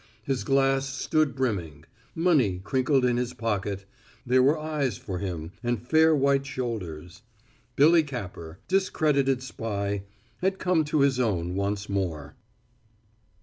His glass stood brimming; money crinkled in his pocket; there were eyes for him and fair white shoulders. Billy Capper, discredited spy, had come to his own once more.